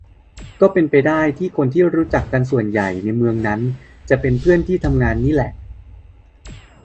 ก็เป็นไปได้ที่คนที่รู้จักส่วนใหญ่ในเมืองนั้น จะเป็นเพื่อนที่ทำงานนี่แหละ